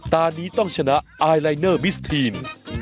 ตอนนี้ต้องชนะไอลายเนอร์มิสทีน